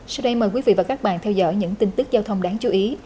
sau đây mời quý vị và các bạn theo dõi những tin tức giao thông đáng chú ý